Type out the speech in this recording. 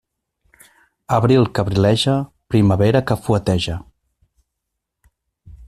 Abril que abrileja, primavera que fueteja.